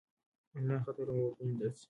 انلاین خطرونه به وپېژندل شي.